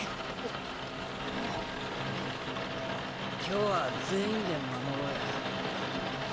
今日は全員で守ろうや。